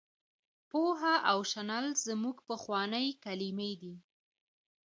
پوهه او شنل زموږ پخوانۍ کلمې دي.